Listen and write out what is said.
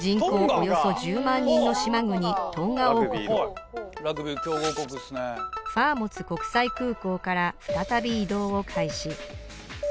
およそ１０万人の島国トンガ王国ファアモツ国際空港から再び移動を開始